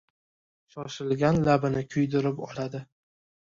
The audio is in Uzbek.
• Shoshilgan labini kuydirib oladi.